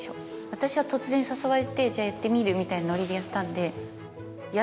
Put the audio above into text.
私は突然誘われてやってみるみたいなノリでやったんで。